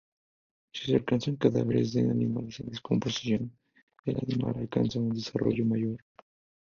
Si se añaden cadáveres de animales en descomposición, el animal alcanza un desarrollo mayor.